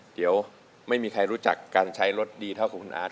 เดี๋ยวไม่มีใครรู้จักการใช้รถดีเท่ากับคุณอาร์ต